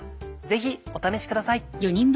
ぜひお試しください。